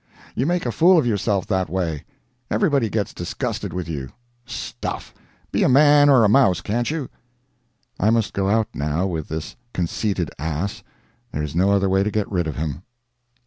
You make a fool of yourself that way; everybody gets disgusted with you; stuff! be a man or a mouse, can't you?" I must go out now with this conceited ass—there is no other way to get rid of him.